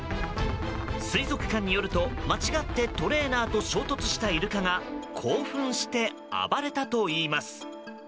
水族館によると、間違ってトレーナーと衝突したイルカが興奮して暴れたといいます。